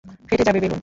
ফেটে যাবে বেলুন।